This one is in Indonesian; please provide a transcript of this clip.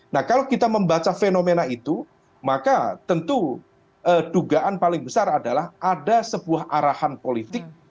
nah kalau kita membaca fenomena itu maka tentu dugaan paling besar adalah ada sebuah arahan politik